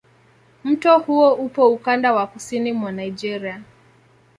Mto huo upo ukanda wa kusini mwa Nigeria.